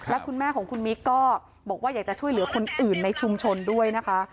และคุณแม่ของคุณมิ๊กก็บอกว่าอยากจะช่วยเหลือคนอื่นในชุมชนด้วยนะคะ